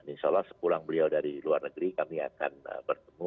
insya allah sepulang beliau dari luar negeri kami akan bertemu